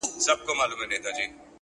څه کوه، څه پرېږده.